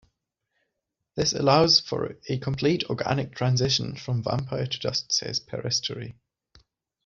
This allows for a "complete organic transition" from vampire to dust, says Peristere.